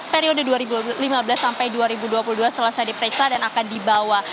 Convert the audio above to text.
periode dua ribu lima belas sampai dua ribu dua puluh dua selesai diperiksa dan akan dibawa